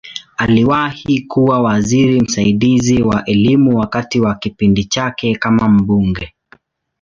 Aliwahi kuwa waziri msaidizi wa Elimu wakati wa kipindi chake kama mbunge.